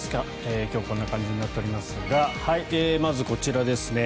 今日こんな感じになってますがまずこちらですね。